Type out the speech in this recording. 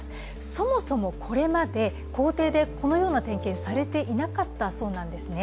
そもそもこれまで校庭でこのような点検されていなかったそうなんですね。